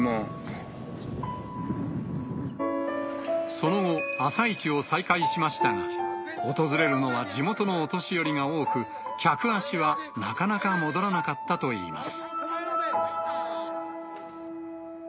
その後朝市を再開しましたが訪れるのは地元のお年寄りが多く客足はなかなか戻らなかったといいます。